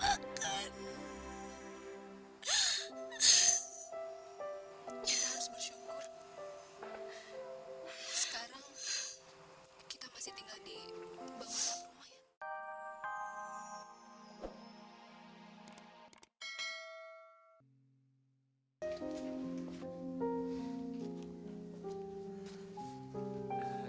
sekarang kita masih tinggal di bawah rumah ya